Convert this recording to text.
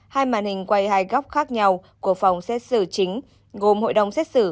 hai màn hình quay hai góc khác nhau của phòng xét xử chính gồm hội đồng xét xử